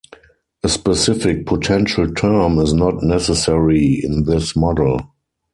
A specific potential term is not necessary in this model.